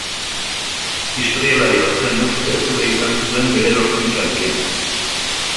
Historialari batzuen ustez, hura izan zuen bere lorpenik handiena.